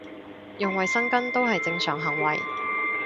用衞生巾都係正常行為